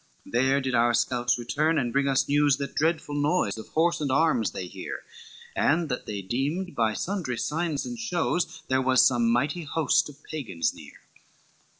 XIV "There did our scouts return and bring us news, That dreadful noise of horse and arms they hear, And that they deemed by sundry signs and shows There was some mighty host of Pagans near.